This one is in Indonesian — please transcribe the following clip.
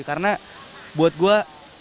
karena buat gue